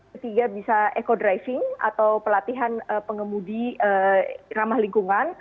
ketiga bisa eco driving atau pelatihan pengemudi ramah lingkungan